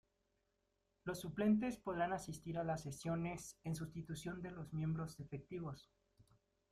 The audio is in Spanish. Los suplentes podrán asistir a las sesiones en sustitución de los miembros efectivos.